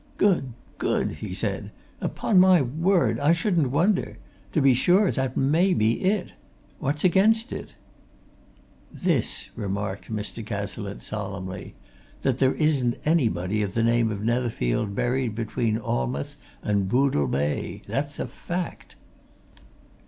"Good! Good!" he said. "Upon my word, I shouldn't wonder! To be sure, that may be it. What's against it?" "This," remarked Mr. Cazalette solemnly. "That there isn't anybody of the name of Netherfield buried between Alnmouth and Budle Bay! That's a fact."